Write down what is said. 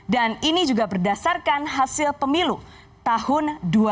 dan ini juga berdasarkan hasil pemilu tahun dua ribu dua belas